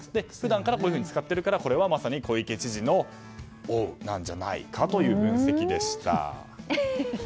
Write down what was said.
普段からこういうふうに使っているからまさに小池知事の「おう。。」じゃないかという分析でした。